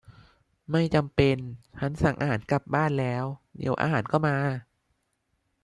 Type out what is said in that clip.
ไม่จำเป็น ฉันสั่งอาหารกลับบ้านแล้ว เดี๋ยวอาหารก็มา